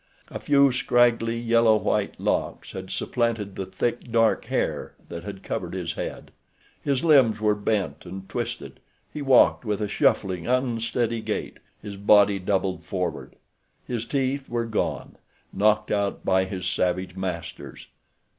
A few scraggly, yellow white locks had supplanted the thick, dark hair that had covered his head. His limbs were bent and twisted, he walked with a shuffling, unsteady gait, his body doubled forward. His teeth were gone—knocked out by his savage masters.